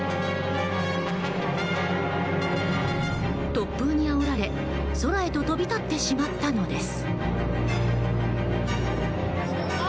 突風にあおられ、空へと飛び立ってしまったのです。